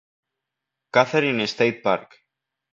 Catherine State Park.